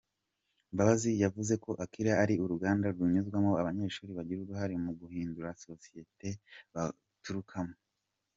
Mbabazi yavuze ko Akilah ari uruganda runyuzwamo abanyeshuri bagira uruhare mu guhindura sosiyete baturukamo.